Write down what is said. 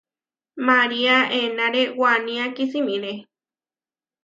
María enáre wanía kisimiré.